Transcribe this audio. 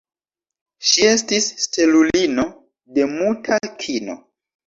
Ŝi estis stelulino de muta kino.